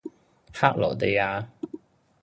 克羅地亞